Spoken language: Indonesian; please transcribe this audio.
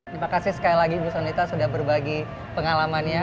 terima kasih sekali lagi ibu sonita sudah berbagi pengalamannya